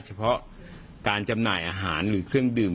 เฉพาะการจำหน่ายอาหารหรือเครื่องดื่ม